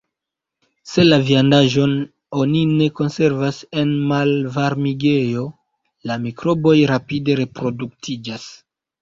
Se la viandaĵon oni ne konservas en malvarmigejo, la mikroboj rapide reproduktiĝas.